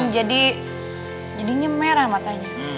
jadi jadinya merah matanya